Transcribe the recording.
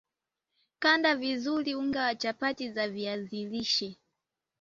kanda vizuri unga wa chapati za viazi lishe